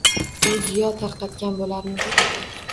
U ziyo tarqatgan bo‘larmidi?